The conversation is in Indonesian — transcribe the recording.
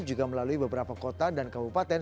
juga melalui beberapa kota dan kabupaten